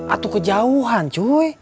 atau kejauhan cuy